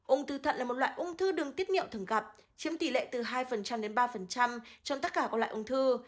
ung thư thận là một loại ung thư đường tiết nghiệm thường gặp chiếm tỷ lệ từ hai đến ba trong tất cả các loại ung thư